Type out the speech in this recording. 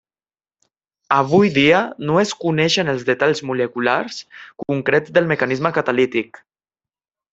Avui dia no es coneixen els detalls moleculars concrets del mecanisme catalític.